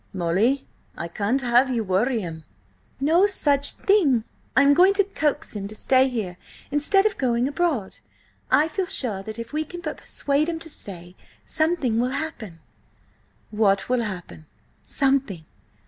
"Molly, I can't have ye worry him—" "No such thing! I am going to coax him to stay here instead of going abroad. I feel sure that if we can but persuade him to stay, something will happen." "What will happen?" "Something!"